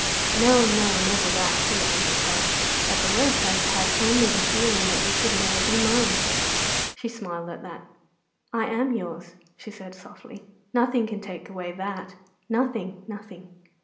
"No, no, never that," he answered her. "At the worst I have had only the feeling that you could never be mine." She smiled at that. "I am yours," she said softly; "nothing can take away that nothing, nothing.